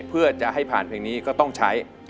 เพื่อจะให้ผ่านเพลงนี้ก็ต้องใช้